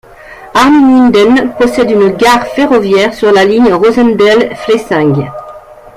Arnemuiden possède une gare ferroviaire sur la ligne Rosendael - Flessingue.